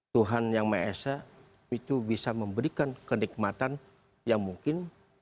tuhan yang me'esha itu bisa memberikan kenikmatan yang mungkin